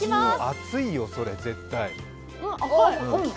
熱いよ、それ絶対。